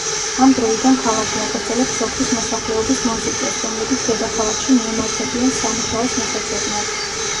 ამ დროიდან ქალაქი აგრძელებს სოფლის მოსახლეობის მოზიდვას, რომლებიც დედაქალაქში მიემართებიან სამუშაოს მოსაძებნად.